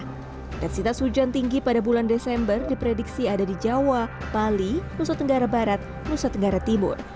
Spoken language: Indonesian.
intensitas hujan tinggi pada bulan desember diprediksi ada di jawa bali nusa tenggara barat nusa tenggara timur